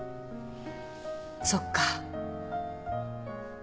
そっか。